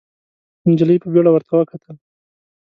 نجلۍ په بيړه ورته وکتل.